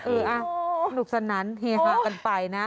เออนุกสนั้นเฮฮะกันไปนะ